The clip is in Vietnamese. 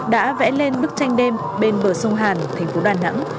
đã vẽ lên bức tranh đêm bên bờ sông hàn thành phố đà nẵng